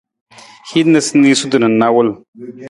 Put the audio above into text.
Hin niisaniisatu na nawul.